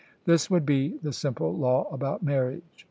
This would be the simple law about marriage.